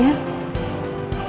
bapak juga bisa